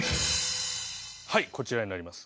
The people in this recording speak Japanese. はいこちらになります。